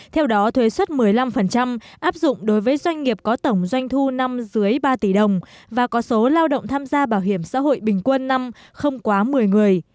theo đó thuế xuất một mươi năm áp dụng đối với doanh nghiệp có tổng doanh thu năm dưới ba tỷ đồng và có số lao động tham gia bảo hiểm xã hội bình quân năm không quá một mươi người